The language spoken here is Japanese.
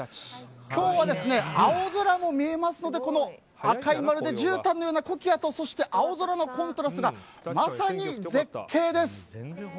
今日は、青空も見えますのでこの赤いまるでじゅうたんのようなコキアと青空のコントラストがまさに絶景です。